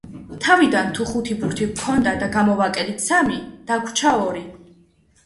თავიდან თუ ხუთი ბურთი გვქონდა და გამოვაკელით სამი, დაგვრჩა ორი.